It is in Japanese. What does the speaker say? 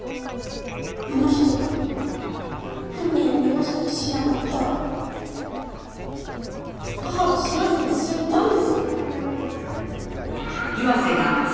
あの人が犯人を逃がしたりしなかったら母は死なずに済んだんです！